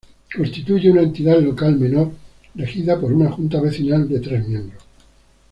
Constituye una Entidad Local Menor regida por una Junta Vecinal de tres miembros.